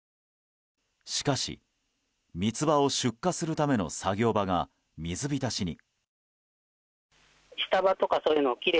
しかし、三つ葉を出荷するための作業場が水浸しに。